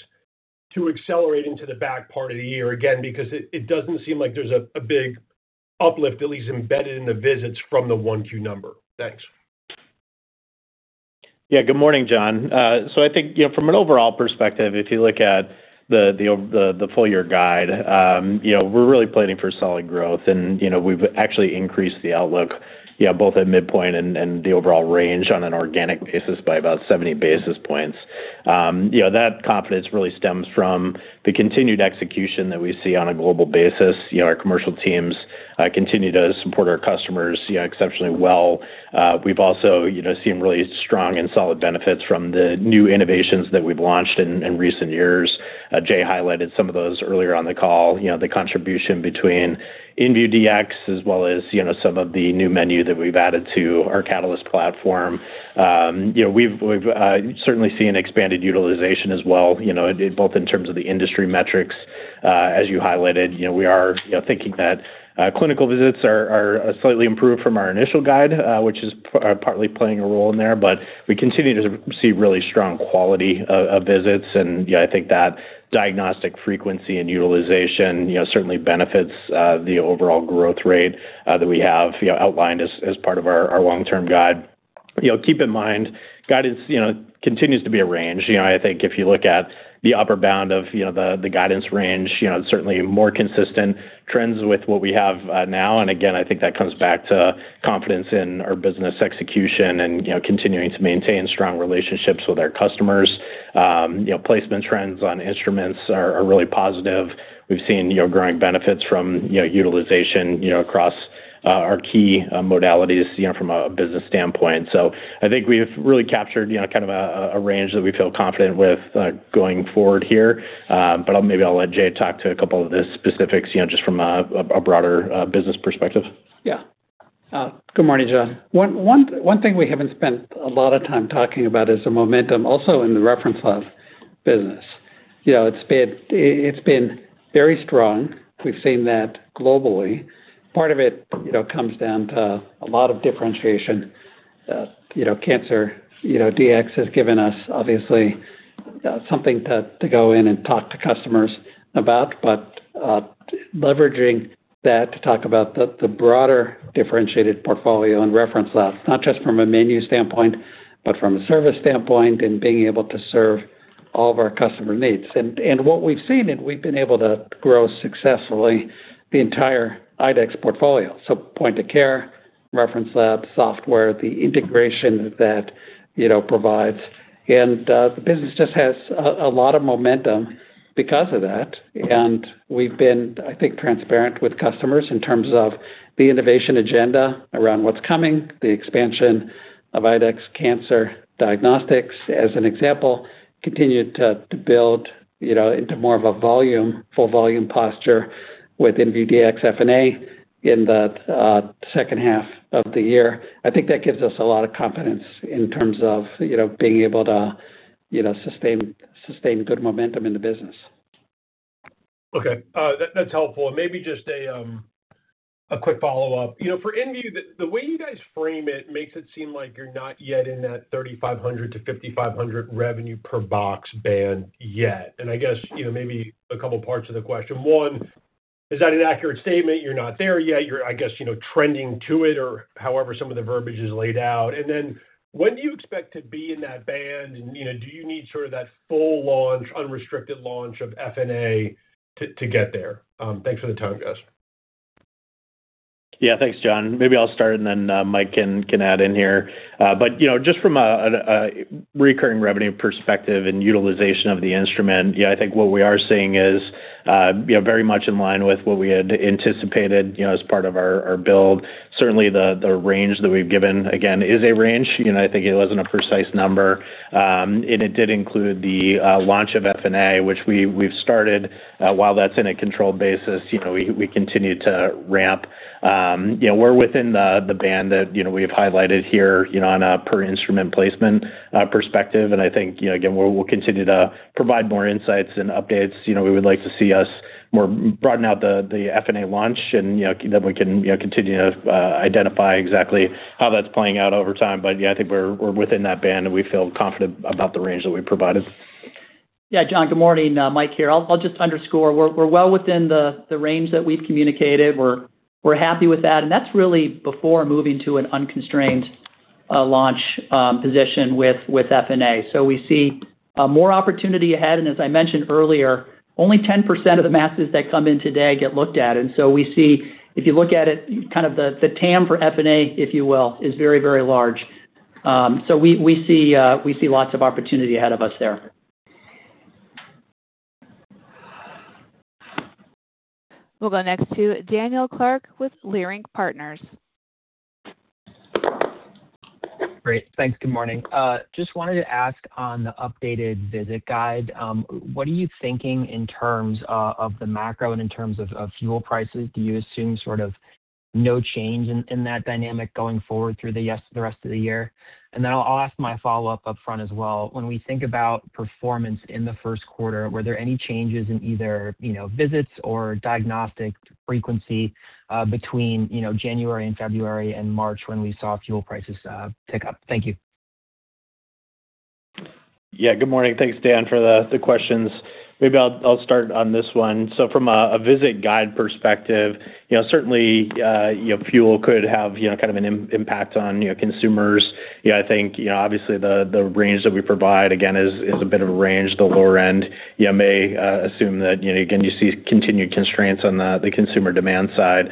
to accelerate into the back part of the year again? It doesn't seem like there's a big uplift at least embedded in the visits from the 1Q number. Thanks. Yeah. Good morning, Jon. I think, you know, from an overall perspective, if you look at the full-year guide, you know, we're really planning for solid growth and, you know, we've actually increased the outlook both at midpoint and the overall range on an organic basis by about 70 basis points. You know, that confidence really stems from the continued execution that we see on a global basis. You know, our commercial teams continue to support our customers, you know, exceptionally well. We've also, you know, seen really strong and solid benefits from the new innovations that we've launched in recent years. Jay highlighted some of those earlier on the call. You know, the contribution between InViewDX as well as, you know, some of the new menu that we've added to our Catalyst platform. You know, we've certainly seen expanded utilization as well, you know, both in terms of the industry metrics, as you highlighted. You know, we are, you know, thinking that clinical visits are slightly improved from our initial guide, which is partly playing a role in there. We continue to see really strong quality of visits and, yeah, I think that diagnostic frequency and utilization, you know, certainly benefits the overall growth rate that we have, you know, outlined as part of our long-term guide. You know, keep in mind, guidance, you know, continues to be a range. You know, I think if you look at the upper bound of, you know, the guidance range, you know, it's certainly more consistent trends with what we have now. Again, I think that comes back to confidence in our business execution and, you know, continuing to maintain strong relationships with our customers. You know, placement trends on instruments are really positive. We've seen, you know, growing benefits from, you know, utilization, you know, across our key modalities, you know, from a business standpoint. I think we've really captured, you know, kind of a range that we feel confident with going forward here. Maybe I'll let Jay talk to a couple of the specifics, you know, just from a broader business perspective. Yeah. Good morning, Jon. One thing we haven't spent a lot of time talking about is the momentum also in the reference lab business. You know, it's been very strong. We've seen that globally. Part of it, you know, comes down to a lot of differentiation. You know, Cancer Dx has given us obviously something to go in and talk to customers about. Leveraging that to talk about the broader differentiated portfolio and reference labs, not just from a menu standpoint, but from a service standpoint and being able to serve all of our customer needs. What we've seen, we've been able to grow successfully the entire IDEXX portfolio, point of care, reference lab, software, the integration that, you know, provides. The business just has a lot of momentum because of that. We've been, I think, transparent with customers in terms of the innovation agenda around what's coming, the expansion of IDEXX Cancer Dx, as an example, continued to build, you know, into more of a full volume posture. With InViewDX FNA in the second half of the year, I think that gives us a lot of confidence in terms of, you know, being able to, you know, sustain good momentum in the business. Okay. That's helpful. Maybe just a quick follow-up. You know, for InViewDX, the way you guys frame it makes it seem like you're not yet in that $3,500-$5,500 revenue per box band yet. I guess, you know, maybe a couple parts of the question. One, is that an accurate statement? You're not there yet. You're, I guess, you know, trending to it or however some of the verbiage is laid out. When do you expect to be in that band? You know, do you need sort of that full launch, unrestricted launch of FNA to get there? Thanks for the time, guys. Yeah, thanks, Jon. Maybe I'll start and then Mike can add in here. You know, just from a recurring revenue perspective and utilization of the instrument, yeah, I think what we are seeing is, you know, very much in line with what we had anticipated, you know, as part of our build. Certainly the range that we've given, again, is a range. You know, I think it wasn't a precise number. It did include the launch of FNA, which we've started. While that's in a controlled basis, you know, we continue to ramp. You know, we're within the band that, you know, we've highlighted here, you know, on a per instrument placement perspective. I think, you know, again, we'll continue to provide more insights and updates. You know, we would like to see us more broaden out the FNA launch and, you know, then we can, you know, continue to identify exactly how that's playing out over time. Yeah, I think we're within that band, and we feel confident about the range that we provided. Yeah, Jon, good morning. Mike here. I'll just underscore, we're well within the range that we've communicated. We're happy with that, and that's really before moving to an unconstrained launch position with FNA. We see more opportunity ahead, and as I mentioned earlier, only 10% of the masses that come in today get looked at. We see, if you look at it, kind of the TAM for FNA, if you will, is very, very large. We see lots of opportunity ahead of us there. We'll go next to Daniel Clark with Leerink Partners. Great. Thanks. Good morning. Just wanted to ask on the updated visit guide, what are you thinking in terms of the macro and in terms of fuel prices? Do you assume sort of no change in that dynamic going forward through the rest of the year? I'll ask my follow-up upfront as well. When we think about performance in the first quarter, were there any changes in either, you know, visits or diagnostic frequency, between, you know, January and February and March when we saw fuel prices tick up? Thank you. Yeah, good morning. Thanks, Dan, for the questions. Maybe I'll start on this one. From a visit guide perspective, you know, certainly, you know, fuel could have, you know, kind of an impact on, you know, consumers. Yeah, I think, you know, obviously the range that we provide, again, is a bit of a range. The lower end, you may assume that, you know, again, you see continued constraints on the consumer demand side.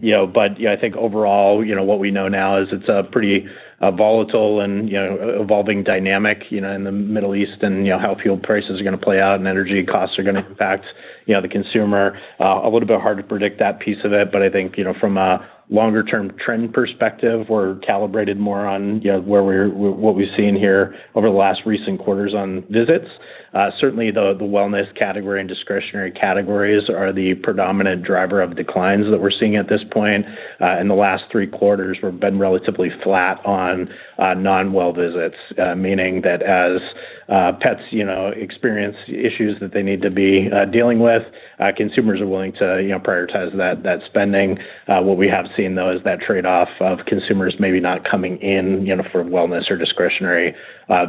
You know, yeah, I think overall, you know, what we know now is it's a pretty volatile and, you know, evolving dynamic, you know, in the Middle East and, you know, how fuel prices are gonna play out and energy costs are gonna impact, you know, the consumer. A little bit hard to predict that piece of it, but I think, you know, from a longer-term trend perspective, we're calibrated more on, you know, what we've seen here over the last recent quarters on visits. Certainly the wellness category and discretionary categories are the predominant driver of declines that we're seeing at this point. In the last three quarters, we've been relatively flat on non-well visits, meaning that as pets, you know, experience issues that they need to be dealing with, consumers are willing to, you know, prioritize that spending. What we have seen, though, is that trade-off of consumers maybe not coming in, you know, for wellness or discretionary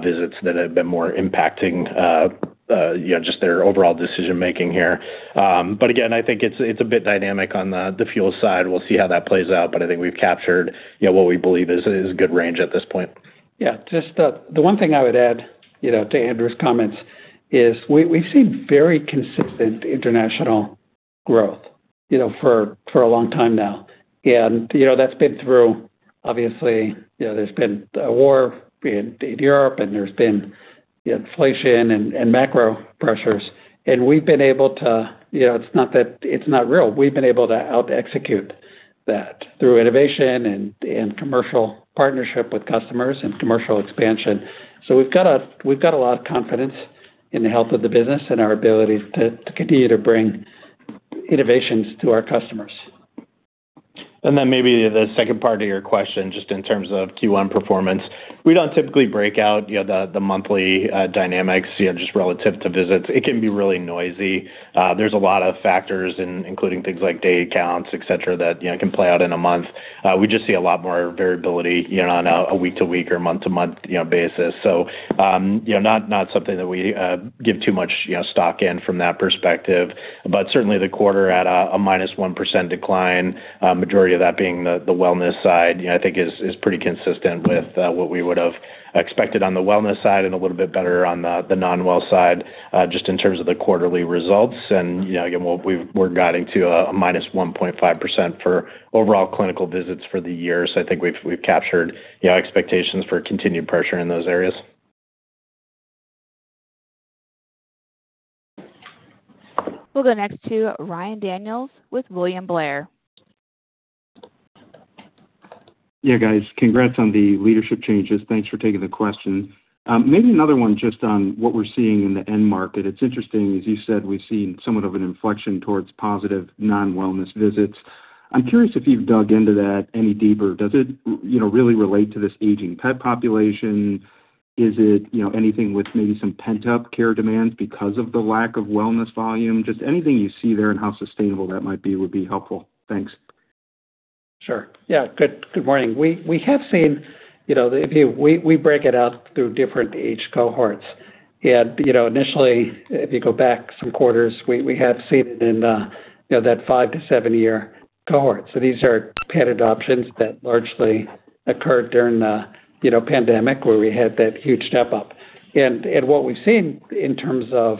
visits that have been more impacting, you know, just their overall decision-making here. Again, I think it's a bit dynamic on the fuel side. We'll see how that plays out, but I think we've captured, you know, what we believe is good range at this point. Yeah. Just the one thing I would add, you know, to Andrew's comments is we've seen very consistent international growth, you know, for a long time now. You know, that's been through, obviously, you know, there's been a war in Europe and there's been inflation and macro pressures. We've been able to out execute that through innovation and commercial partnership with customers and commercial expansion. We've got a lot of confidence in the health of the business and our ability to continue to bring innovations to our customers. Then maybe the second part of your question, just in terms of Q1 performance. We don't typically break out, you know, the monthly dynamics, you know, just relative to visits. It can be really noisy. There's a lot of factors including things like day counts, et cetera, that, you know, can play out in a month. We just see a lot more variability, you know, on a week-to-week or month-to-month, you know, basis. You know, not something that we give too much, you know, stock in from that perspective. Certainly the quarter at a -1% decline, majority of that being the wellness side, you know, I think is pretty consistent with what we would have expected on the wellness side and a little bit better on the non-well side just in terms of the quarterly results. You know, again, we're guiding to a -1.5% for overall clinical visits for the year. I think we've captured, you know, expectations for continued pressure in those areas. We'll go next to Ryan Daniels with William Blair. Yeah, guys, congrats on the leadership changes. Thanks for taking the question. Maybe another one just on what we're seeing in the end market. It's interesting, as you said, we've seen somewhat of an inflection towards positive non-wellness visits. I'm curious if you've dug into that any deeper. Does it, you know, really relate to this aging pet population? Is it, you know, anything with maybe some pent-up care demands because of the lack of wellness volume? Just anything you see there and how sustainable that might be, would be helpful. Thanks. Sure. Good morning. We have seen, you know, if we break it out through different age cohorts. You know, initially, if you go back some quarters, we have seen it in, you know, that 5 to 7-year cohort. These are pet adoptions that largely occurred during the, you know, pandemic, where we had that huge step up. What we've seen in terms of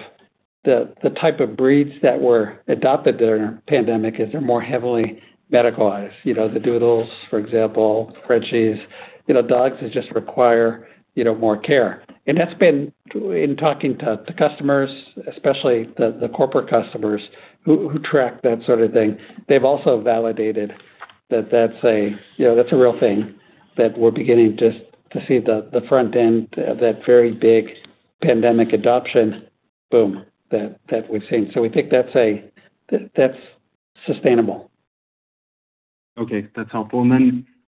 the type of breeds that were adopted during pandemic is they're more heavily medicalized. You know, the Doodles, for example, Frenchies, you know, dogs that just require, you know, more care. That's been true in talking to customers, especially the corporate customers who track that sort of thing. They've also validated that that's a, you know, that's a real thing that we're beginning to to see the front end of that very big pandemic adoption boom that we've seen. We think that's sustainable. Okay, that's helpful.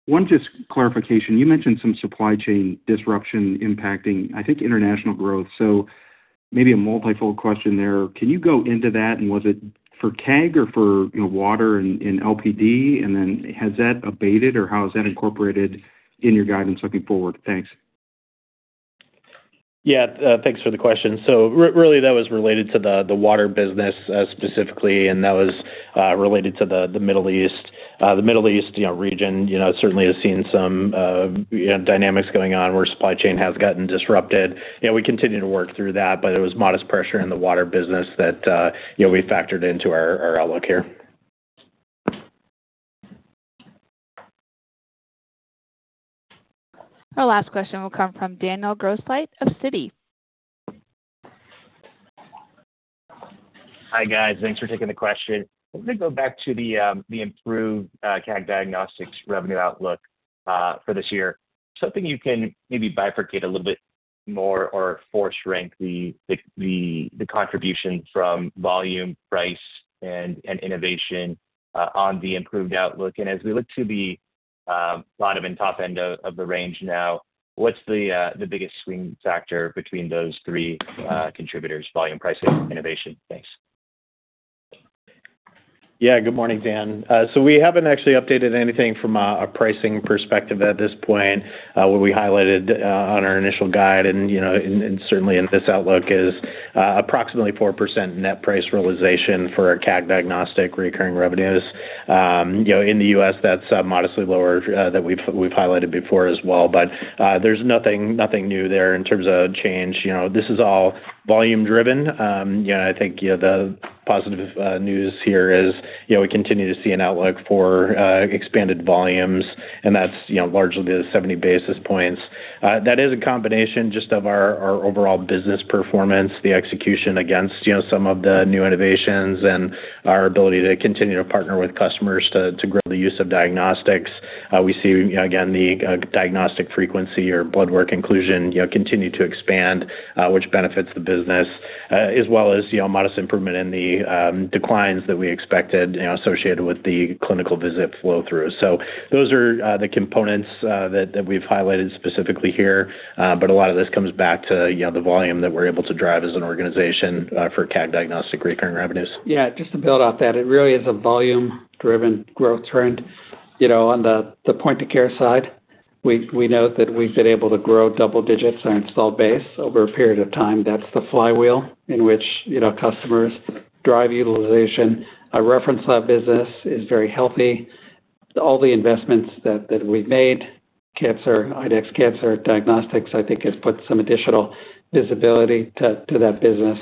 One just clarification. You mentioned some supply chain disruption impacting, I think, international growth. Maybe a multi-fold question there. Can you go into that? Was it for CAG or for, you know, water and LPD? Has that abated or how is that incorporated in your guidance looking forward? Thanks. Yeah. Thanks for the question. Really, that was related to the water business, specifically, and that was related to the Middle East. The Middle East, you know, region, you know, certainly has seen some, you know, dynamics going on where supply chain has gotten disrupted. You know, we continue to work through that, but it was modest pressure in the water business that, you know, we factored into our outlook here. Our last question will come from Daniel Grosslight of Citi. Hi, guys. Thanks for taking the question. Let me go back to the improved CAG Diagnostics revenue outlook for this year. Something you can maybe bifurcate a little bit more or force rank the contribution from volume, price, and innovation on the improved outlook. As we look to the bottom and top end of the range now, what's the biggest swing factor between those three contributors, volume, pricing, innovation? Thanks. Yeah. Good morning, Dan. We haven't actually updated anything from a pricing perspective at this point. What we highlighted on our initial guide and certainly in this outlook is approximately 4% net price realization for our CAG Diagnostics recurring revenues. In the U.S., that's modestly lower that we've highlighted before as well. There's nothing new there in terms of change. This is all volume driven. I think the positive news here is we continue to see an outlook for expanded volumes, and that's largely the 70 basis points. That is a combination just of our overall business performance, the execution against, you know, some of the new innovations and our ability to continue to partner with customers to grow the use of diagnostics. We see, again, the diagnostic frequency or blood work inclusion, you know, continue to expand, which benefits the business, as well as, you know, modest improvement in the declines that we expected, you know, associated with the clinical visit flow through. Those are the components that we've highlighted specifically here. A lot of this comes back to, you know, the volume that we're able to drive as an organization for CAG Diagnostics recurring revenues. Yeah, just to build off that, it really is a volume-driven growth trend. You know, on the point-to-care side, we note that we've been able to grow double digits on installed base over a period of time. That's the flywheel in which, you know, customers drive utilization. Our reference lab business is very healthy. All the investments that we've made, cancer, IDEXX Cancer Dx, I think, has put some additional visibility to that business.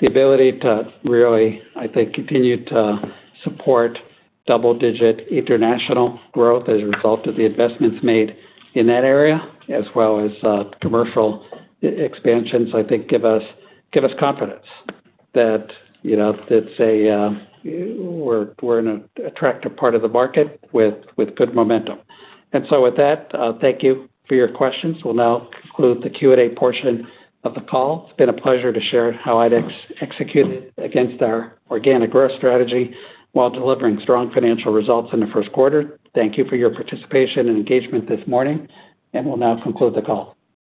The ability to really, I think, continue to support double-digit international growth as a result of the investments made in that area, as well as commercial expansions, I think give us confidence that, you know, it's a, we're in an attractive part of the market with good momentum. With that, thank you for your questions. We'll now conclude the Q&A portion of the call. It's been a pleasure to share how IDEXX executed against our organic growth strategy while delivering strong financial results in the first quarter. Thank you for your participation and engagement this morning, and we'll now conclude the call.